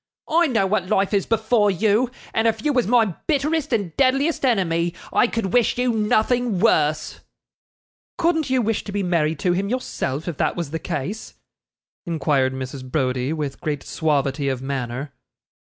'I know what life is before you, and if you was my bitterest and deadliest enemy, I could wish you nothing worse.' 'Couldn't you wish to be married to him yourself, if that was the case?' inquired Mrs. Browdie, with great suavity of manner.